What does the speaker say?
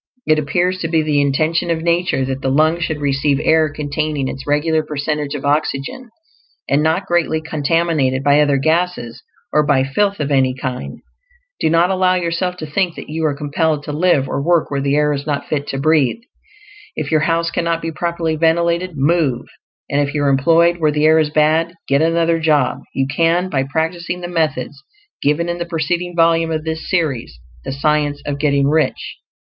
It appears to be the intention of nature that the lungs should receive air containing its regular percentage of oxygen, and not greatly contaminated by other gases, or by filth of any kind. Do not allow yourself to think that you are compelled to live or work where the air is not fit to breathe. If your house cannot be properly ventilated, move; and if you are employed where the air is bad, get another job; you can, by practicing the methods given in the preceding volume of this series "THE SCIENCE OF GETTING RICH."